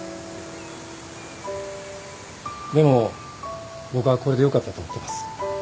でも僕はこれでよかったと思ってます。